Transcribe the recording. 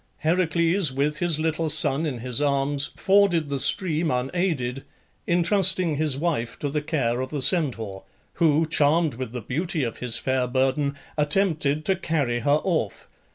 Heracles, with his little son in his arms, forded the stream unaided, intrusting his wife to the care of the Centaur, who, charmed with the beauty of his fair burden, attempted to carry her off.